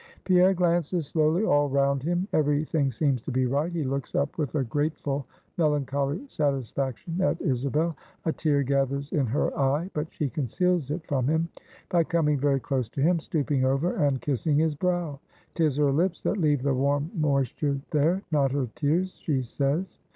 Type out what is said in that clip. Pierre glances slowly all round him; every thing seems to be right; he looks up with a grateful, melancholy satisfaction at Isabel; a tear gathers in her eye; but she conceals it from him by coming very close to him, stooping over, and kissing his brow. 'Tis her lips that leave the warm moisture there; not her tears, she says.